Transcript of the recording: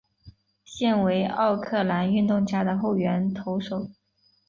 现为奥克兰运动家的后援投手。